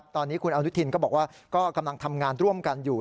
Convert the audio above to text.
ตอนนี้คุณอนุทินก็บอกว่าก็กำลังทำงานร่วมกันอยู่